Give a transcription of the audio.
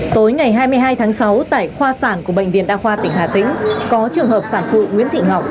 tối ngày hai mươi hai tháng sáu tại khoa sản của bệnh viện đa khoa tỉnh hà tĩnh có trường hợp sản phụ nguyễn thị ngọc